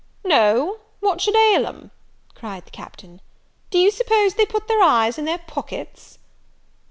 "No! what should ail 'em?" cried the Captain, "do you suppose they put their eyes in their pockets?"